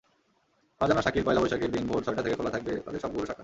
ফারজানা শাকিলপয়লা বৈশাখের দিন ভোর ছয়টা থেকে খোলা থাকবে তাদের সবগুলো শাখা।